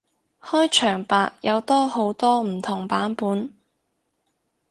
開場白有好多唔同版本